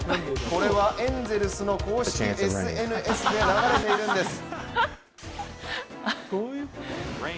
これはエンゼルスの公式ＳＮＳで流れているんです。